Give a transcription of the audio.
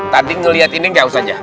tadi ngelihat ini nggak usah aja